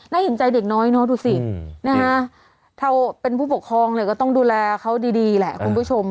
เห็นใจเด็กน้อยเนอะดูสินะฮะถ้าเป็นผู้ปกครองเนี่ยก็ต้องดูแลเขาดีแหละคุณผู้ชม